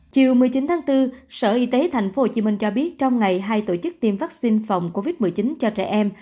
chiều một mươi chín tháng bốn sở y tế tp hcm cho biết trong ngày hai tổ chức tiêm vaccine phòng covid một mươi chín cho trẻ em